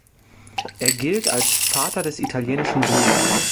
Er gilt als „Vater des italienischen Blues“.